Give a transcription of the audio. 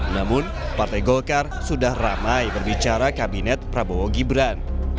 namun partai golkar sudah ramai berbicara kabinet prabowo gibran